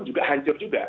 itu juga hancur